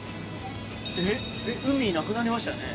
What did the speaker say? えっ海なくなりましたね。